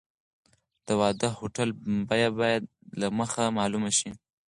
د واده د هوټل بیه باید له مخکې معلومه شي.